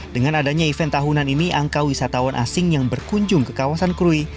dengan adanya event tahunan ini angka wisatawan asing yang berkunjung ke kawasan krui